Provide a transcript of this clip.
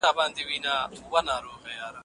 خوشال خان پر ځان خبرې شروع کړي.